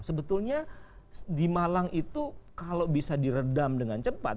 sebetulnya di malang itu kalau bisa diredam dengan cepat